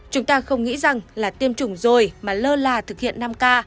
chúng ta không nghĩ rằng là tiêm chủng rồi mà lơ là thực hiện năm k